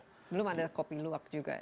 belum ada kopi luwak juga